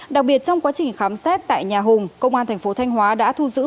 đặc biệt trong quá trình khám xét tại nhà hùng công an thành phố thanh hóa đã thu giữ